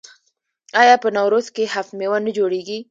آیا په نوروز کې هفت میوه نه جوړیږي؟